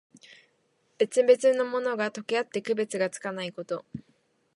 別々のものが、とけあって区別がつかないこと。